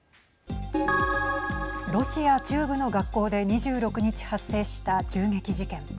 ロシア中部の学校で２６日発生した銃撃事件。